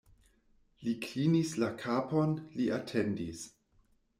Li klinis la kapon, li atendis.